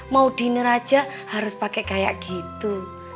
mau dinner aja harus pakai kayak gitu